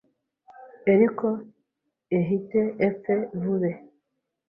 eriko ehite epfe vube